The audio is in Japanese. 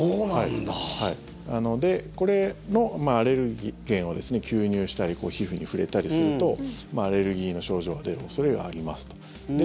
これのアレルゲンを吸入したり皮膚に触れたりするとアレルギーの症状が出る恐れがありますと。